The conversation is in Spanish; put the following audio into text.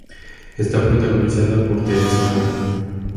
Está protagonizada por Teresa Rabal.